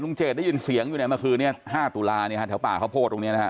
ลุงเจสได้ยินเสียงอยู่ไหนเมื่อคืนเนี่ย๕ตุลาเนี่ยแหลกป่าข้าวโพดตรงเนี่ยนะฮะ